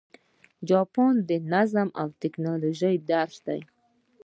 جاپان د نظم او ټکنالوژۍ درس دی.